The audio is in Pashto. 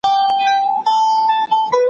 پي پي پي ناروغي د مور او ماشوم اړیکه اغېزمنوي.